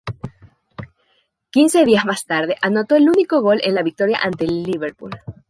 Quince días más tarde, anotó el único gol en la victoria ante el Liverpool.